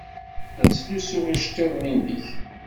La tettlusud iceḍḍiḍen-nnek.